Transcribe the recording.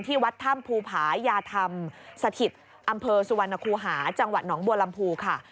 วัดถ้ำภูผายาธรรมสถิตอำเภอสุวรรณคูหาจังหวัดหนองบัวลำพูค่ะ